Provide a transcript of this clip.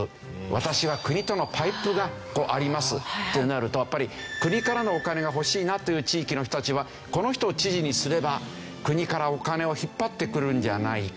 「私は国とのパイプがあります」ってなるとやっぱり国からのお金が欲しいなという地域の人たちはこの人を知事にすれば国からお金を引っ張ってくるんじゃないか。